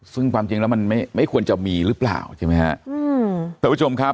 ซึ่งความจริงแล้วมันไม่ควรจะมีหรือเปล่าใช่ไหมฮะ